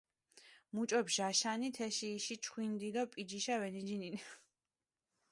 მუჭო ბჟაშანი, თეში იში ჩხვინდი დო პიჯიშა ვენიჯინინე.